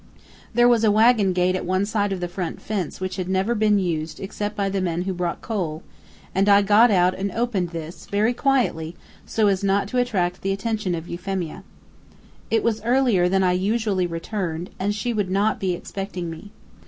There was a wagon gate at one side of the front fence which had never been used except by the men who brought coal, and I got out and opened this, very quietly, so as not to attract the attention of Euphemia. It was earlier than I usually returned, and she would not be expecting me.